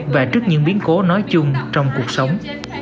và trước những biến cố nói chung trong cuộc sống